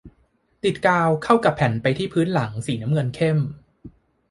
ติดกาวเข้ากับแผ่นไปที่พื้นหลังสีน้ำเงินเข้ม